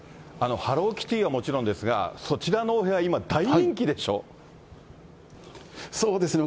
ハローキティはもちろんですが、そちらのお部屋、今、大人気そうですね。